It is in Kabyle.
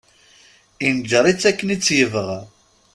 Inǧer-itt akken i tt-yebɣa.